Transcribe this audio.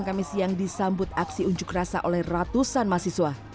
kami siang disambut aksi unjuk rasa oleh ratusan mahasiswa